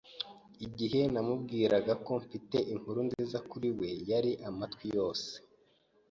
Igihe namubwiraga ko mfite inkuru nziza kuri we, yari amatwi yose.